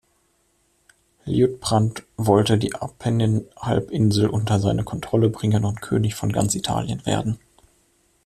Liutprand wollte die Apenninhalbinsel unter seine Kontrolle bringen und König von ganz Italien werden.